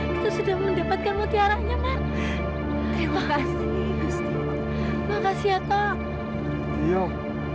kita sudah mendapatkan mutiara nya mak makasih makasih ya toh